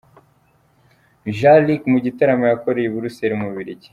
Jean Luc mu gitaramo yakoreye i Buruseri mu Bubirigi.